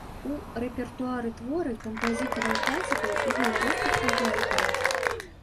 У рэпертуары творы кампазітараў-класікаў і беларускіх кампазітараў.